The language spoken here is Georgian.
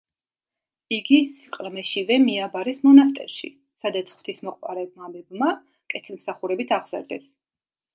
იგი სიყრმეშივე მიაბარეს მონასტერში, სადაც ღვთისმოყვარე მამებმა კეთილმსახურებით აღზარდეს.